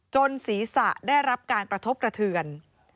ศีรษะได้รับการกระทบกระเทือน